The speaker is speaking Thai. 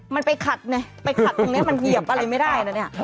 มันไปขัดเนี่ยไปขัดตรงนี้มันเหยียบไปเลยไม่ได้แล้ว